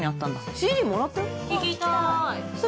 ＣＤもらったよ。